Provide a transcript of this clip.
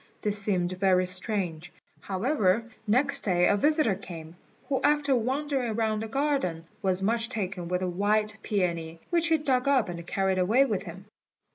This seemed very strange; however, next day a visitor came, who, after wandering round the garden, was much taken with a white peony, which he dug up and carried away with him.